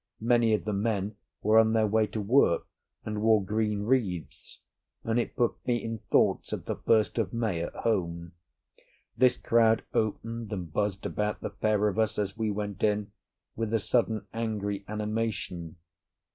Many of the men were on their way to work and wore green wreaths, and it put me in thoughts of the 1st of May at home. This crowd opened and buzzed about the pair of us as we went in, with a sudden angry animation.